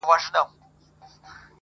نه زارۍ دي سي تر ځایه رسېدلای؛